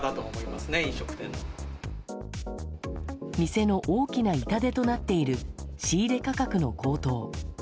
店の大きな痛手となっている仕入れ価格の高騰。